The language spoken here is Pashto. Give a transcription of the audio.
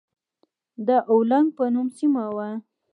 د اولنګ په نوم سيمه وه.